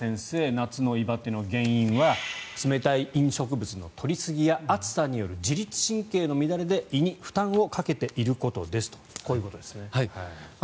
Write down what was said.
夏の胃バテの原因は冷たい飲食物の取りすぎや暑さによる自律神経の乱れで胃に負担をかけていることですとこういうことですね。